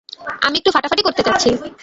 আমি একটু ফাটাফাটি করতে চাচ্ছি!